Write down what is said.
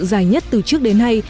dài nhất từ trước đến nay